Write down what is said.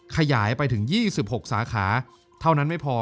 ขยายไปถึง๒๖สาขาเท่านั้นไม่พอ